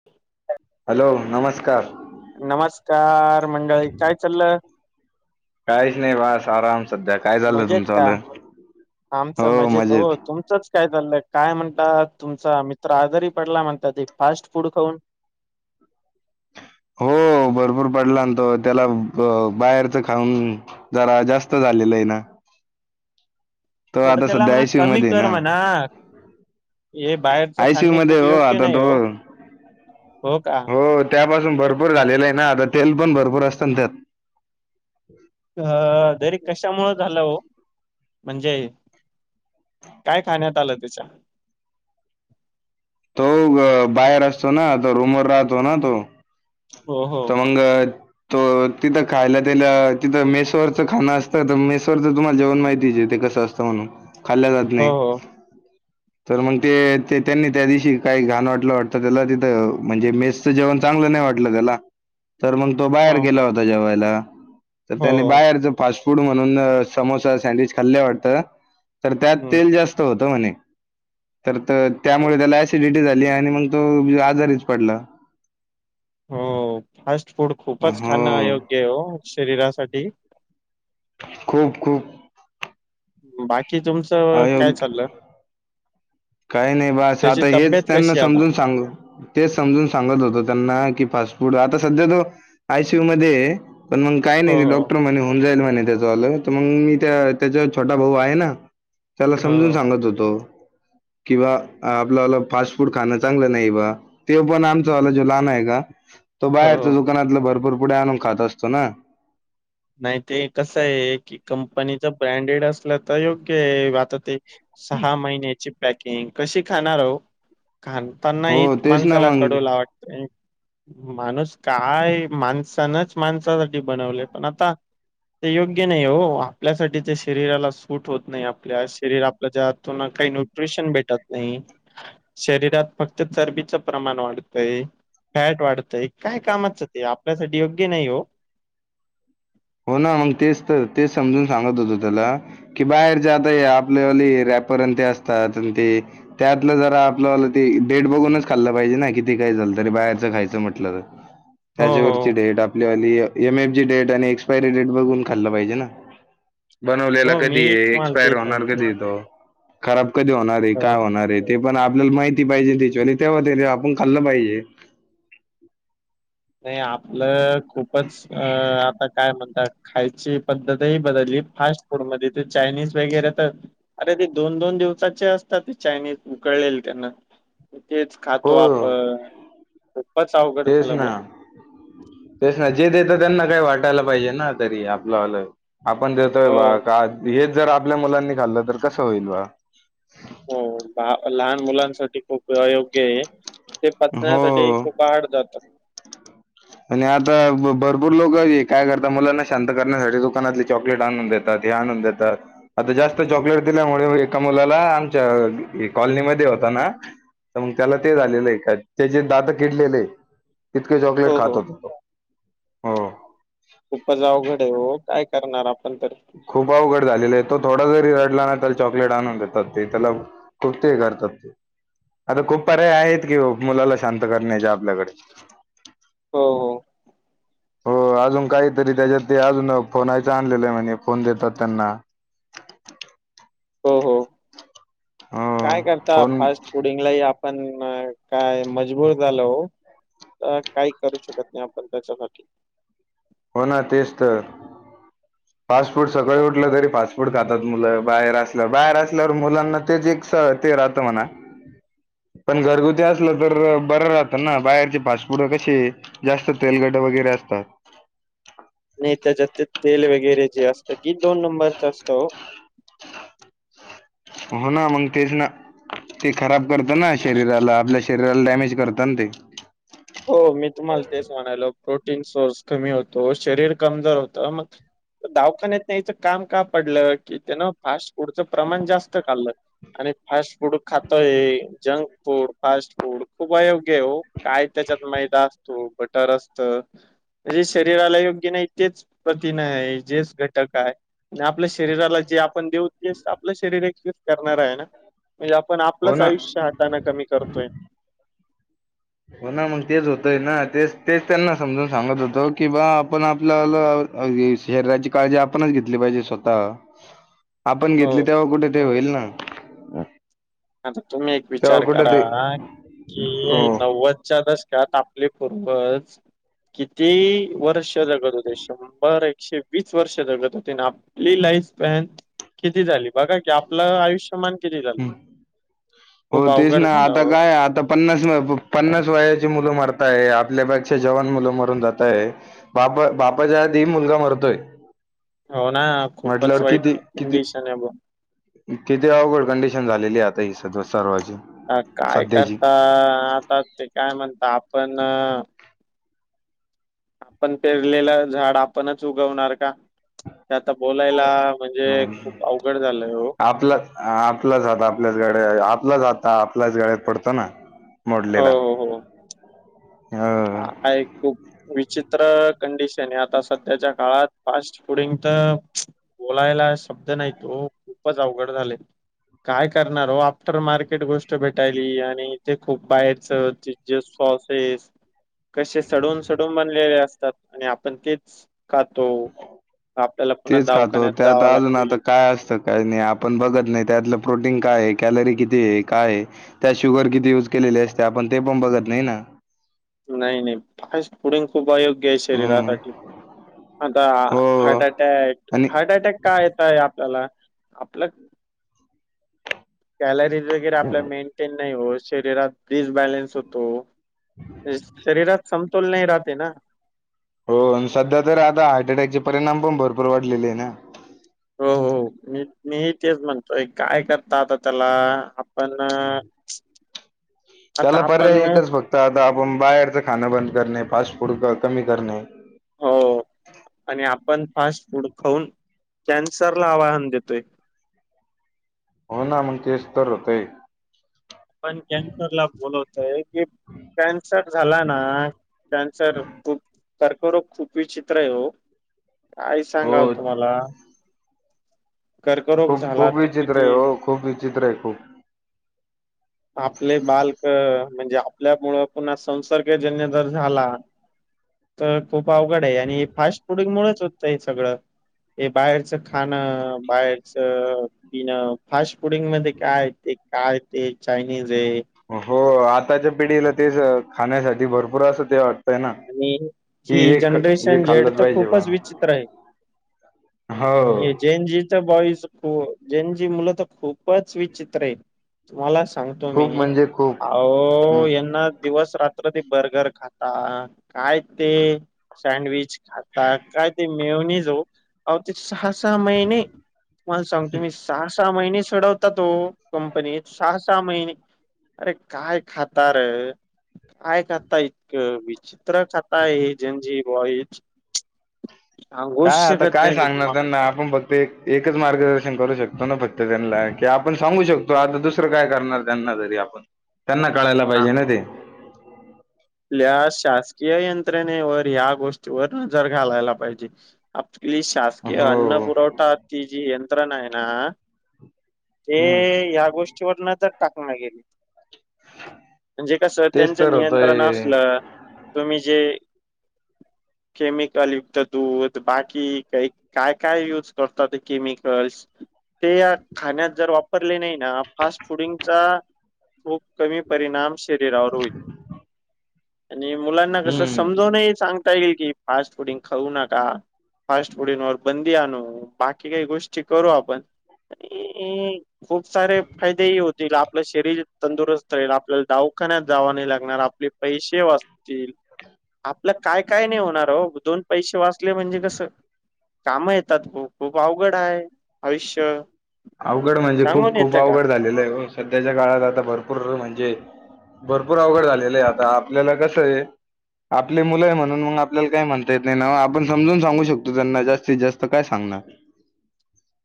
[inaudible] Hello नमस्कार. नमस्कार मंडळी. काय चाललं? काहीच नाही बगा. आराम सध्या. काय झालं मजेत तुमच का वाल? आमचं हो हो मजेत. काय चाललंय? काय म्हणतात, तुमचा मित्र आजारी पडला म्हणतात, ते फास्ट फूड खाऊन. हो. भरपूर पडला ना तो. त्याला बाहेरच खाऊन. जरा जास्त झालेलं आहे ना. तो थोडं आता त्याला सध्या म्हणा आयसीयू कमी मध्ये आहे कर ना म्हणा. हे बाहेरच आयसीयू खाणे मध्ये खूप हो योग्य आता नाही तो ओ. हो का. हो. त्यापासून भरपूर झालेलं आहे ना आता. तेल पण भरपूर असतं ना त्यात. अ तरी कशामुंळ झालं हो म्हणजे? काय खाण्यात आलं त्याच्या? तो बाहेर असतो ना तर रूमवर राहतो ना तो. हो, हो तर मंग त तिथं खायला त्याला तिथं मेसवरचं खाण असतं तर मेसवरचं तुम्हाला जेवण माहिती आहे ते कसं अस म्हणून खाल्ल्या जात हो नाही हो तर मग ते त्यांनी त्या दिवशी काही घाण वाटलं वाटतं त्याला तिथं म्हणजे मेस जेवण चांगलं नाही वाटलं त्याला तर मग तो हो बाहेर गेला होता जेवायला तर त्यान हो बाहेरच फास्ट फूड म्हणून समोसा सँडविच खाल्ले वाटतं तर त्यात हम्म तेल जास्त होतं म्हणे तर हो त्यामुळे त्याला ऍसिडिटी झाली आणि मग तो आजारीच पडला हो फास्ट फूड खूपच हो. खाणं अयोग्य आहे ओ शरीरासाठी खूप, खूप बाकी तुमचं मग अयोग काय चाललं काही नाही बस त्याची आता हेच तब्येत त्यांना कशी आहे आता समजून सांगू तेच समजून सांगत होतो त्यांना की फास्ट फूड आता सध्या जो आयसीयू मध्ये पण मग काय हो, नाही ते हो. डॉक्टर म्हणे होऊन जाईल म्हणे त्याज झालं तर मग मी त्या त्याचा छोटा भाऊ आहे ना त्याला हो, समजून हो. सांगत होतो कि बा आपल वाल फास्ट फूड खाणं चांगलं नाही बा ते पण आमचावाला जो लहान आहे का तो हो, बाहेरच हो. दुकानातला भरपूर पुडे आणून खात असतो ना नाही ते कसं आहे की कंपनीच ब्रँडेड असल तर योग्य आहे आता ते सहा महिन्याची पॅकिंग कशी खाणारहो घाण पण नाही हो तेच ना माणसाला मग कडवलावटतं माणूस काय माणसानच माणसासाठी बनवले पण आता ते योग्य नाही हो आपल्यासाठी ते शरीराला सूट होत नाही आपल्या शरीर आपल्याच्या हातून काही न न्यूट्रीशन भेटत नाही शरीरात फक्त चरबीच प्रमाण वाढतय फॅट वाढत आहे काय कामाचं ते आपल्यासाठी योग्य नाही हो हो ना मग तेच तर तेच समजून सांगत होतो त्याला की बाहेरचे आता हे आपल्यावाली रॅपर अन ते असतात अन् ते त्यातलं जरा आपल्याल ते डेट बघूनच खाल्लं पाहिजे ना कि ते काय झालं तरी बाहेरचं खायचं म्हटलं तर [unintelligible] हो. त्याच्यावरची डेट आपली वली एम एफ ची डेट आणि एक्सपायरी डेट बघून खाल्ल पाहिजे ना बनवलेला हो कधी मी आहे तुम्हाला एक्सपायर तेच होणार म्हणतोय कधी तो खराब कधी होणाराय अ, काय होणाराय ते पण आपल्याला माहिती पाहिजे त्याच्यावर तेव्हा ते जे आपण खाल्लं पाहिजे नाही आपलं खूपच अ आता काय म्हणतात खायची पद्धतही बदलली फास्ट फूड मध्ये ते चायनीज वगैरे तर अरे ते दोन, दोन दिवसाचे असतात ते चायनीज उकळलेल त्यांना तेच खातो हो, आपण खूपच अवघड तेच झाला बुवा ना. तेच ना जे देता त्यांना काही वाटायला पाहिजे ना तरी आपलं वाल आपण देतोय हो बा का हेच जर आपल्या मुलांनी खाल्लं तर कसं होईल बा हो लहान मुलांसाठी खूप अयोग्य आहे ते हो पचण्यासाठी खूप हार्ड जात आणि आता भरपूर लोक जे काय करतात मुलांना शांत करण्यासाठी दुकानातले चॉकलेट आणून देत कधी आणून देतात आता जास्त चॉकलेट दिल्यामुळे एका मुलाला आमच्या आ कॉलनीमध्ये होता ना तर मग त्याला ते झालेलं आहे का त्याचे दात किडलेले आहे तितक चॉकलेट हो हो खात होता तो हो खूपच आवघड हाय ओ, काय करणार आपण तरी? खूप अवघड झालेल आहे. तो थोडा जरी रडला नाही तर चॉकलेट आणून देतात ते त्याला. [unintelligible] ते करतात ते. आता खूप पर्याय आहेत कि हो, मुलाला शांत करण्याचे आपल्याकडे. हो. हो, अजून काहीतरी त्याच्यात ते अजून फोनायचं आणलेलं आहे म्हणे, फोन देतात त्यांना. हो हो हो हो काय करता, फोन फास्ट फुडिंगलाही आपण काय मजबूर झालो हो. [unintelligible] काही करू शकत नाही आपण त्याच्यासाठी. हो ना, तेच तर. फास्ट फूड सकाळी उठलं तरी, फास्ट फूड खातात मुलं, बाहेर असलंव बाहेर असल्यावर मुलांना तेच एक- [unintelligible] ते राहत म्हणा. [inaudible] पण घरगुती असलं तर बरं राहतं ना, बाहेरचे फास्टफूड कशी- जास्त तेलकट वगैरे असतात. नाही त्याच्यात ते तेल वगैरे जे असतं की, दोन नंबरच असतं ओ. हो ना, मंग तेच ना. ते खराब करत ना शरीराला, आपल्या शरीराला डॅमेज करत ना ते. हो, मी तुम्हाला तेच म्हणायलो, प्रोटीन सोर्स कमी होतो, शरीर कमजोर होतं मग- दावाखान्यात न्यायचं काम का पडलं की, त्यान फास्ट फूडचं प्रमाण जास्त खाल्लं. आणि फास्ट फूड खातोय, जंक फूड, फास्ट फूड खूप अयोग्य आहे हो. त्याच्यात मैदा असतो, बटर असत. जे शरीराला योग्य नाही, तेच प्रथीने आहे, जेच घटक आहे. आणि आपल्या शरीराला जे आपण देऊ, तेच आपलं शरीर एक्सेप्ट करणार आहे ना? म्हणजे आपण हो आपलंच ना. आयुष्य हाताने कमी करतोय.. हो ना, मग तेच होतंय ना, तेच, तेच त्यांना समजून सांगत होतो की, बा आपण आपल- [unintelligible] शरीराची काळजी आपणच घेतली पाहिजे स्वतः. [inaudible] आपण घेतली तेव्हा कुठे ते होईल ना? आता तुम्ही एक तेव्हा विचार कुठे करा, ते कि हो नव्वद- च्या दशकात आपले पूर्वज किती वर्ष- जगत होते, शंभर, एकशे- वीस वर्ष जगत होती आणि आपली लाईफ फॅन किती झाली बघा की, आपलं आयुष्यमान- किती झाली? हो, तेच ना आता हो. काय- आता पन्नास, पन्नास वयाची मुलं मरताय, आपल्यापेक्षा जवान मुलं मरून जात आहे. बापा- बापाच्या आधी मुलगा मरतोय. हो ना, खूपच वाईट कंडिशन आहे बो. कितीे अवघड कंडिशन झालेली आता ही सदव, सर्वांची. काय करता, आता ते काय म्हणता आपण- आपण पेरलेलं झाड आपणच उगवणार का? ते आता बोलायला म्हणजे, खूप अवघड झालंय हो. आपलंच. आपलाच आात आपल्याच गाड्या, आपलाच आता आपल्याच गाळ्यात पडतो ना. हो, मोडलेला हम्म. I Q. विचित्र कंडिशनय, आता सध्याच्या काळात. फास्ट फुडिंग त [unintelligible] बोलायला, शब्द नाही ओ. खूपच अवघड झालय. काय करणार ओ. आफ्टर मार्केट गोष्ट भेटायली. आणि ते खूप बाहेरच जे सॉसेस, कसे सडून - सडून बनलेले असतात. आणि आपण तेच खातो. आपल्याला, पुन्हा तेच खातो दवाखान्यात त्यात जाव अजून लागतं. आता [unintelligible] काय असल? काही नाही, आपण बघत नाही. त्यातलं प्रोटीन कायय? कॅलरी कितीय? कायय? त्यात शुगर किती युज केलेली असते. आपण ते पण बघत नाही, ना. नाही - नाही. फास्ट फुडींग खूप अयोग्यय हम्म शरीरासाठी. आता हो हार्टअटॅट. आणि हार्टअटॅक, का येताय आपल्याला? आपलं कॅलरीज वगैरे आपल्या मेंटेन नाही हो. शरीरात डिसबॅलन्स होतो. तेच, शरीरात समतोल नाही राहते ना. हो. सध्या तर आता, हार्ट अटॅकचे परिणाम पण भरपूर वाढलेलेय ना. हो, हो. मी, मीही तेच म्हणतोय. काय करता आता त्याला. आपण [inaudible] त्याला पर्याय आपण एकच फक्त आता, आपण बाहेरचं खाणं बंद करणे. फास्ट फूड क कमी करणे. हो आणि आपण फास्ट फूड खाऊन, कॅन्सरला आवाहन देतोय. हो, ना. मग तेच तर होतंय. आपण कॅन्सरला बोलवतय. की, कॅन्सर झाला ना, कॅन्सर खूप कर्करोग खूप विचित्रय ओ. काय सांगाव हो तुम्हाला. कर्करोग खूप - झाला खूप तर विचित्रय किती ओ. खूप विचित्रय खूप. आपले बालक. म्हणजे, आपल्या मुळं पण अस संसर्गजन्य जर झाला. तर खूप अवघडय. आणि फास्ट फुडिंग मुळेच होतंय सगळं. हे बाहेरचं खाणं, बाहेरचं पिणं. फास्ट फुडिंग मध्ये, काय ते काय ते चायनीजय. हो, आताच्या पिढीला तेच, खाण्यासाठी भरपूर असं, ते वाट तय ना. आणि ते ही हे ख हे जनरेशन झेड खाल्लं तर पाहिजे बा. खूपच विचित्र आहे हो. जेन जीचा बॉईस ख. जेन जी मुलं तर, खूपच विचित्रय. तुम्हाला सांगतो खूप मी, म्हणजे खूप अहो हम्म यांना दिवस - रात्र ते बर्गर खाता. काय ते सँडविच आता काय ते मेयोनीज ओ. अहो, ते सहा- सहा महिने. तुम्हाला सांगतो मी. सहा - सहा महिने सडवतात ओ. कंपनीत. सहा - सहा महिने. अरे, काय खाता रं? काय खाता इतकं, विची त्र खाताय हे, जन जी बॉईझ. [unintelligible] काय आता, काय सांगणार, त्यांना? आपण बघ ते एकच मार्गदर्शन करू शकतो ना फक्त. त्यांना की, आपण सांगू शकतो. आता दुसरं काय करणार, त्यांना तरी आपण? त्यांना कळायला हा पाहिजे ना, ते. आपल्या शासकीय यंत्रणेवर, या गोष्टीवर नजर घालायला पाहिजे. आपली शासकीय अन्न हो पुुरवठा, ती जी यंत्रणाय ना, ते, हम्म या गोष्टीवर नजर टाकणा गेली. मणजे कसं, तेच त्यांचं तर नियंत्रण होतय असलं. तुम्ही जे केमिकल युक्त दूध, बाकी काही काय काय यूज करतात ते केमिकल्स. ते या खाण्यात जर वापरले नाही ना फास्ट फुडिंगचा खूप कमी परिणाम शरीरावर होईल. आणि मुलांना कस हम्म समजवून ही सांगता येईल की फास्ट फूडिंग खाऊ नका. फास्ट फुडिंगवर बंदी आणू बाकी काही गोष्टी करू आपण आणि खूप सारे फायदेही होतील आपलं शरीर तंदुरुस्त राहील आपल्याला दवाखान्यात जावा नाही लागणार. आपले पैसे वाचतील आपल काय काय नाही होणार ओ दोन पैसे वाच त म्हणजे कस काम येतात खूप खूप अवघड आहे आयुष्य. अवघड म्हणजे खूप सांगून खूप येतं का? अवघड झालेलं आहे सध्याच्या काळात आता भरपूर म्हणजे भरपूर अवघड झालेलं आहे आता आपल्याला कसंय आपले मुलं आहे म्हणून मग आपल्याला काय म्हणता येत नाही, ना आपण समजून सांगू शकतो त्यांना जास्तीत जास्त काय सांगणार‌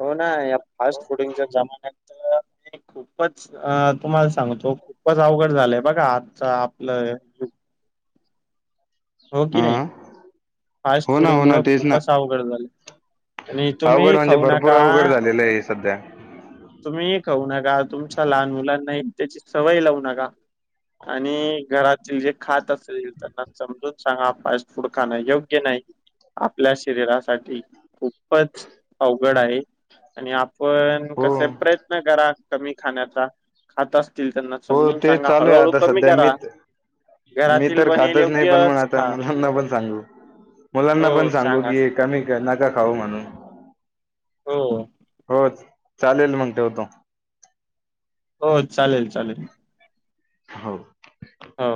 हो ना या फास्ट फुडिंगच्या जमान्यात तर खूपच अ तुम्हाला सांगतो खूपच अवघड झालंय बघा आजचा आपलं युग. हो की नाही हा फास्ट हो फूड ना हो ना मुळ तेच ना खूपच अवघड झालय. आणि अवघड तुम्हीही म्हणजे खाऊ भरपूर नका. अवघड झालेलं आहे सध्या तुम्ही खाऊ नका तुमच्या लहान मुलांना एक त्याची सवय लावू नका. आणि घरातील जे खात असतील त्यांना समजून सांगा फास्ट फूड खाणं योग्य नाही. आपल्या शरीरासाठी खूपच अवघड आहे. आणि आपण हो कसे प्रयत्न करा कमी खाण्याचा खात अस हो ते चालू आहे आता सध्या करा. मीच मी घरातील तर बनेल खातच नाही पण मग योग्यच आता खा मुलांना पण सांगू. मुलांना पण हो सांगू सांगा की सांगा कमी नका खाऊ म्हणून. हो हो चालेल मग ठेवतो. हो चालेल चालेल. हो हो